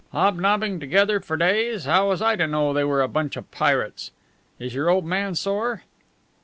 Hobnobbing together for days, how was I to know they were a bunch of pirates? Is your old man sore?"